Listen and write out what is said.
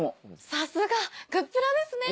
さすがグップラですね！